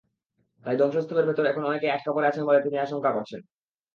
তাই ধ্বংসস্তূপের ভেতর এখন অনেকেই আটকা পড়ে আছেন বলে তিনি আশঙ্কা করছেন।